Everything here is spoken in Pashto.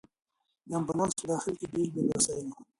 د امبولانس په داخل کې بېلابېل وسایل وو.